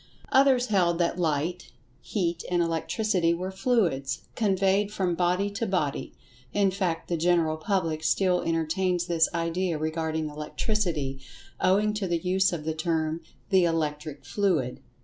Others held that Light, Heat and Electricity were "fluids" conveyed from body to body—in fact the general public still entertains this idea regarding Electricity, owing to the use of the term "the Electric fluid."